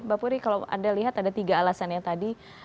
mbak puri kalau anda lihat ada tiga alasannya tadi